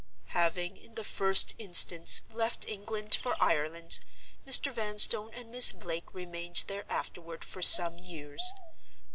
"Having, in the first instance, left England for Ireland, Mr. Vanstone and Miss Blake remained there afterward for some years.